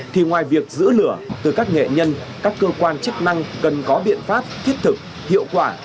thì ngoài việc giữ lửa từ các nghệ nhân các cơ quan chức năng cần có biện pháp thiết thực hiệu quả